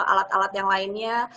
alat alat yang lainnya